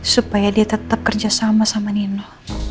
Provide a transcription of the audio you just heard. supaya dia tetap kerjasama sama nino